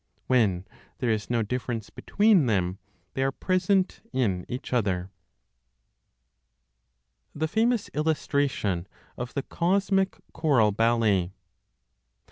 When there is no difference between them, they are present in each other. THE FAMOUS ILLUSTRATION OF THE COSMIC CHORAL BALLET.